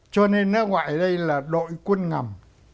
cho nên nó gọi đây là đội quân ngầm